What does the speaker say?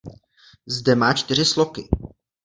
Zde má čtyři sloky.